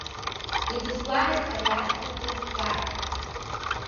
Иҵыслааит ари адгьыл ду, ҳгара.